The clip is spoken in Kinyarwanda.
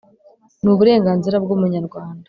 ni uburenganzira bw’umunyarwanda